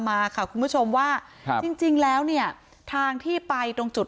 มาค่ะคุณผู้ชมว่าครับจริงจริงแล้วเนี่ยทางที่ไปตรงจุด